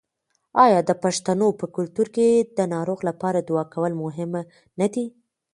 آیا د پښتنو په کلتور کې د ناروغ لپاره دعا کول مهم نه دي؟